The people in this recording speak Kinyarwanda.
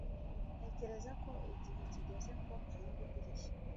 ntekereza ko igihe kigeze ngo mfunge idirishya